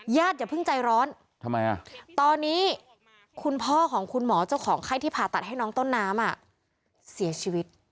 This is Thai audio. อย่าเพิ่งใจร้อนทำไมอ่ะตอนนี้คุณพ่อของคุณหมอเจ้าของไข้ที่ผ่าตัดให้น้องต้นน้ำเสียชีวิต